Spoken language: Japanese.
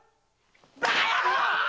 バカ野郎っ‼